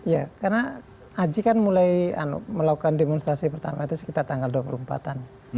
ya karena aji kan mulai melakukan demonstrasi pertama itu sekitar tanggal dua puluh empat an